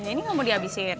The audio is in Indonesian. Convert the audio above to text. ini gak mau dihabisin